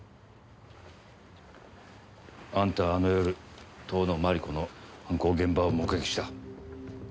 あんたはあの夜遠野麻理子の犯行現場を目撃した。